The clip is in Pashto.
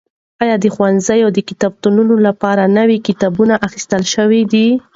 ایا د ښوونځیو د کتابتونونو لپاره نوي کتابونه اخیستل شوي دي؟